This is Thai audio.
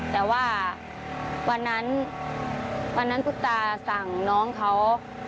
แต่ว่าวันนั้นตุ๊กตาสั่งน้องเขา